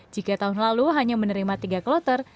jika tahun lalu hanya menerima tiga kloter